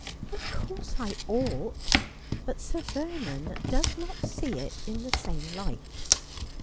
' Of course I ought ; but Sir Vernon does not see it in the same light.